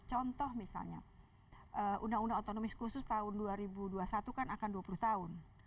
contoh misalnya undang undang otonomis khusus tahun dua ribu dua puluh satu kan akan dua puluh tahun